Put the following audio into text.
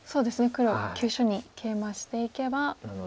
黒急所にケイマしていけば。